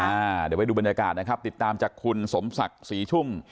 เดี๋ยวไปดูบรรยากาศนะครับติดตามจากคุณสมศักดิ์ศรีชุ่ม